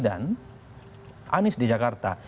dan anies di jakarta